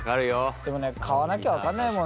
でもね買わなきゃ分かんないもんね。